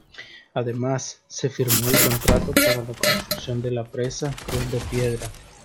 Además, se firmó el contrato para la construcción de la presa Cruz de Piedra.